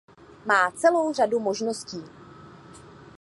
Má celou řadu možností.